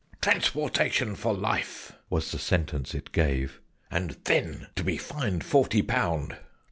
"Transportation for life" was the sentence it gave, "And then to be fined forty pound."